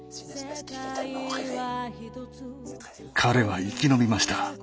彼は生き延びました。